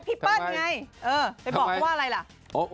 พี่เปิ้ลไงเออไปบอกว่าอะไรหล่ะ